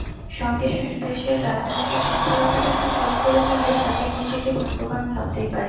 সঙ্গে দেশের রাজনৈতিক অস্থিরতাটাকে যোগ করে নিলে সাকিব নিজেকে ভাগ্যবান ভাবতেই পারেন।